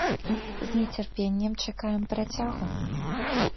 З нецярпеннем чакаем працягу!